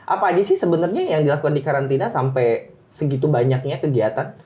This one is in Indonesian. apa aja sih sebenarnya yang dilakukan di karantina sampai segitu banyaknya kegiatan